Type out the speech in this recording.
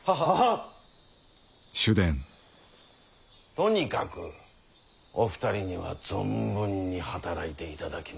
とにかくお二人には存分に働いていただきますぞ。